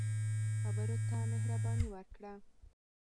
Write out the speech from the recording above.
خبرو ته مهرباني ورکړه